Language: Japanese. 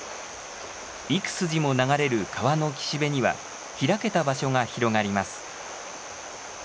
幾筋も流れる川の岸辺には開けた場所が広がります。